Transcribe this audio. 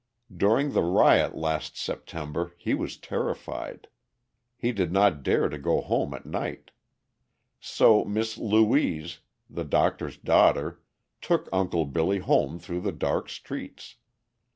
During the riot last September he was terrified: he did not dare to go home at night. So Miss Louise, the doctor's daughter, took Uncle Billy home through the dark streets.